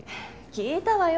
聴いたわよ